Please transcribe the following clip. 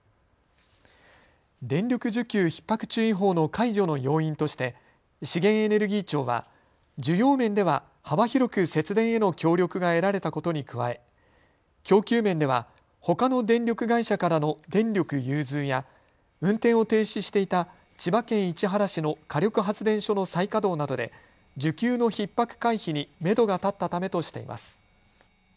電力需給ひっ迫注意報の解除の要因として資源エネルギー庁は需要面では幅広く節電への協力が得られたことに加え供給面ではほかの電力会社からの電力融通や運転を停止していた千葉県市原市の火力発電所の再稼働などで需給のひっ迫回避にめどが立ったためとしています。